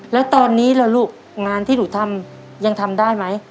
แล้วตอนนี้ล่ะลูกงานที่หนูทำยังทำได้ไหม